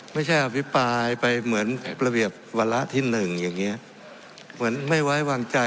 ไม่ใช่อภิปรายไปเหมือนระเบียบวาระที่หนึ่งอย่างเงี้ยเหมือนไม่ไว้วางใจ